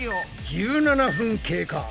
１７分経過。